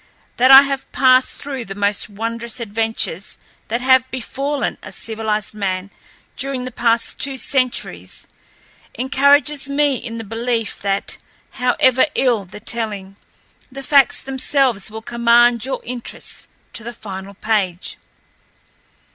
That I have passed through the most wondrous adventures that have befallen a civilized man during the past two centuries encourages me in the belief that, however ill the telling, the facts themselves will command your interest to the final page.